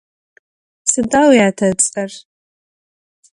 Sıda vuyate ıts'er?